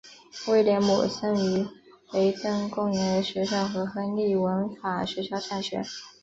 威廉姆森于雷登公园学校和亨利文法学校上学。